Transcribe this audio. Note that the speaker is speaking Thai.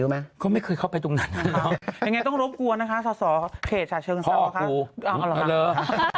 อยากให้ช่วยดูแลประหลาดคุณแม่ด้วย